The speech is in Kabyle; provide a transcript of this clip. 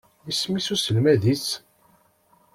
Isem-is uselmad-is?